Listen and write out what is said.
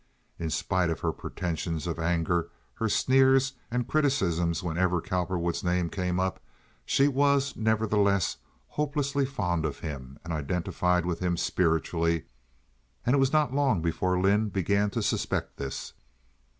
In spite of her pretensions of anger, her sneers, and criticisms whenever Cowperwood's name came up, she was, nevertheless, hopelessly fond of him and identified with him spiritually, and it was not long before Lynde began to suspect this.